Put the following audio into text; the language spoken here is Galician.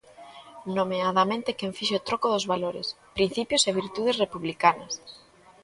Nomeadamente quen fixo troco dos valores, principios e virtudes republicanas.